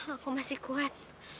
aku masih kuat